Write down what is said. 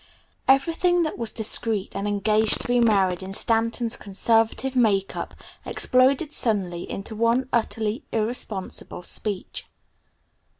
VIII Everything that was discreet and engaged to be married in Stanton's conservative make up exploded suddenly into one utterly irresponsible speech.